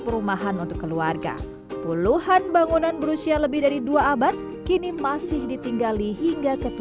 perumahan untuk keluarga puluhan bangunan berusia lebih dari dua abad kini masih ditinggali hingga